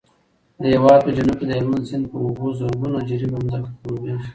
د هېواد په جنوب کې د هلمند سیند په اوبو زرګونه جریبه ځمکه خړوبېږي.